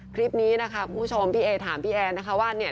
คลิปนี้นะคะคุณผู้ชมพี่เอถามพี่แอนนะคะว่าเนี่ย